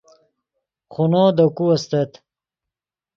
خونو دے کو استت